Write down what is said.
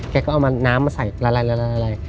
แกก็เอาน้ำมาใส่ละลาย